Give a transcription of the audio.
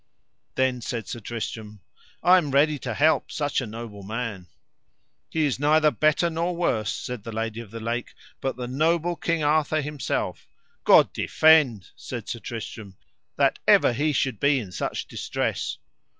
Then said Sir Tristram: I am ready to help such a noble man. He is neither better nor worse, said the Lady of the Lake, but the noble King Arthur himself. God defend, said Sir Tristram, that ever he should be in such distress.